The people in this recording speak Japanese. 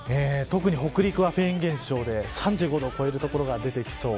特に北陸はフェーン現象で３５度を超える所が出てきそう。